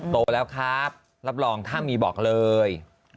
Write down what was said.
โตแล้วครับรับรองถ้ามีบอกเลย